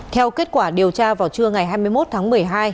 theo kết quả điều tra vào trưa ngày hai mươi một tháng một mươi hai